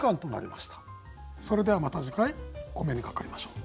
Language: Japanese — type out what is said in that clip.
それではまた次回お目にかかりましょう。